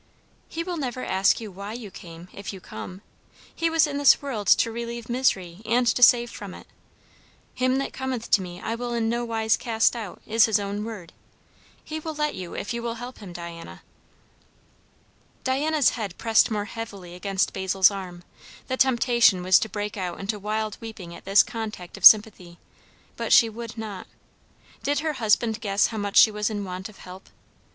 "He will never ask why you came, if you come. He was in this world to relieve misery, and to save from it. 'Him that cometh to me I will in no wise cast out,' is his own word. He will help you if you will let him, Diana." Diana's head pressed more heavily against Basil's arm; the temptation was to break out into wild weeping at this contact of sympathy, but she would not. Did her husband guess how much she was in want of help?